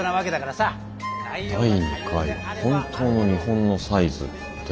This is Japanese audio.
「第２回本当の日本のサイズって？